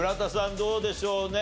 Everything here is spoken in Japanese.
どうでしょうね？